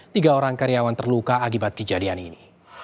tiga orang karyawan terluka akibat kejadian ini